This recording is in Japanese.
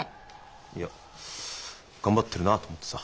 いや頑張ってるなと思ってさ。